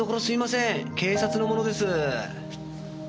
警察の者です。